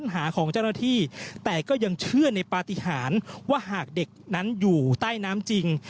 หากเด็กนั้นอยู่ใต้น้ำจริง